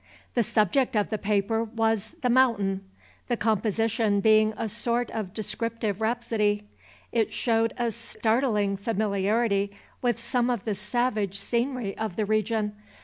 The subject of the paper was The Mountain, the composition being a sort of descriptive rhapsody. It showed a startling familiarity with some of the savage scenery of the region.